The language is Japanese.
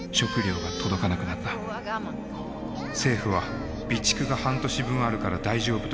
政府は備蓄が半年分あるから大丈夫と繰り返し言い続けた。